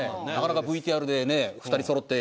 なかなかＶＴＲでね。